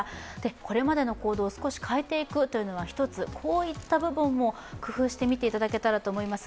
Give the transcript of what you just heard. これまでの行動を少し変えていくというのは、一つ、こういった部分も工夫してみてもらえたらと思います。